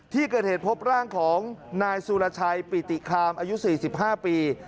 ที่เกิดเหตุพบร่างของนายสุรชัยปิติคามอายุ๔๕ปี